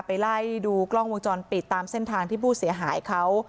ไปไล่ดูกล้องวงจรปิดตามเส้นทางที่ผู้เสียหายเขา